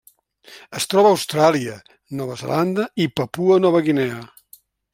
Es troba a Austràlia, Nova Zelanda i Papua Nova Guinea.